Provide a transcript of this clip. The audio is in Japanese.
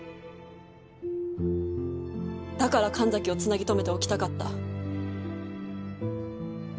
だから神崎をつなぎ留めておきたかった。